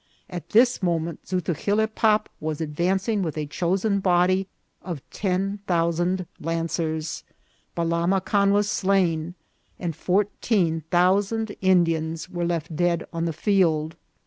At this moment Zutugi lebpop was advancing with a chosen body of ten thou sand lancers. Balam Acan was slain, and fourteen thousand Indians were left dead on the field.